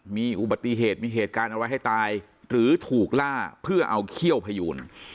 มีอุบัติเหตุมีเหตุการณ์อะไรให้ตายหรือถูกล่าเพื่อเอาเขี้ยวพยูน